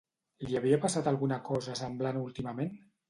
Li havia passat alguna cosa semblant últimament?